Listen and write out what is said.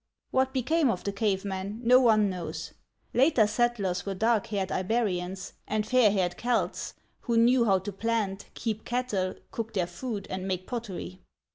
What became of the cave men, no one knows. Later settlers were dark haired I be'rians and fair haired Celts, who knew how to plant, keep cattle, cook their food, and make pottery.